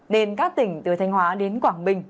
nên các tỉnh từ thanh hóa đến quảng bình